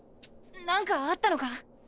なんかあったのか！？